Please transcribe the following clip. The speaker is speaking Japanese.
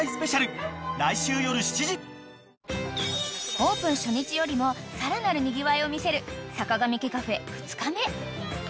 ［オープン初日よりもさらなるにぎわいを見せるさかがみ家カフェ２日目］